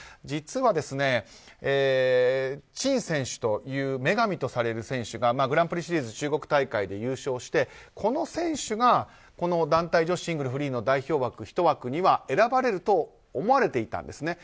実は、チン選手という女神とされる選手がグランプリシリーズ中国大会で優勝してこの選手が団体女子シングルフリーの代表枠１枠には選ばれると思われていたんです。